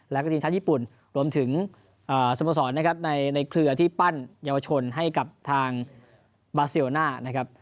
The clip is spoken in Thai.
และก็ทีมชาติญี่ปุ่นรวมถึงสมสรรค์ในเครือที่ปั้นเยาวชนให้กับทางบาซิโยน่า